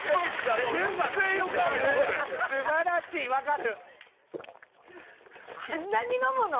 素晴らしい分かる。